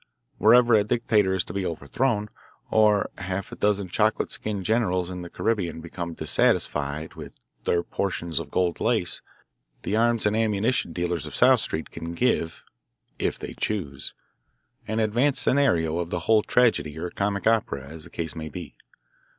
Whenever a dictator is to be overthrown, or half a dozen chocolate skinned generals in the Caribbean become dissatisfied with their portions of gold lace, the arms and ammunition dealers of South Street can give, if they choose, an advance scenario of the whole tragedy or comic opera, as the case may be.